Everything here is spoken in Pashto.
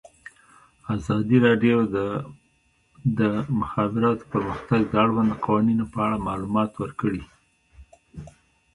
ازادي راډیو د د مخابراتو پرمختګ د اړونده قوانینو په اړه معلومات ورکړي.